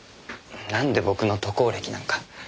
なんで僕の渡航歴なんか。